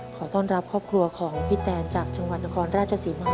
ขอต้อนรับครอบครัวของพี่แตนจากจังหวัดนครราชศรีมา